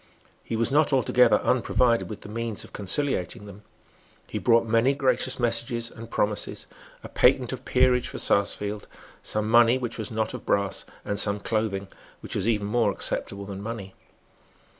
He was not altogether unprovided with the means of conciliating them. He brought many gracious messages and promises, a patent of peerage for Sarsfield, some money which was not of brass, and some clothing, which was even more acceptable than money.